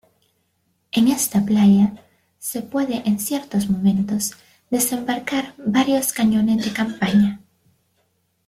En esta playa, se puede en ciertos momentos, desembarcar varios cañones de campaña.